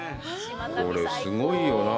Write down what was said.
これ、すごいよなあ。